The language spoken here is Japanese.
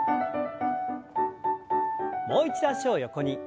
もう一度脚を横に。